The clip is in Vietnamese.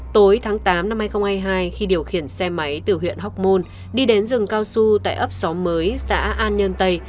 tối tháng tám năm hai nghìn hai mươi hai khi điều khiển xe máy từ huyện hóc môn đi đến rừng cao su tại ấp xóm mới xã an nhân tây